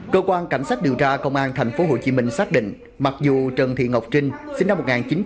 cơ quan cảnh sát điều tra công an tp hcm xác định mặc dù trần thị ngọc trinh sinh năm một nghìn chín trăm tám mươi